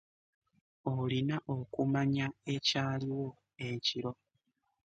Olina okumanya ekyaliwo ekiro.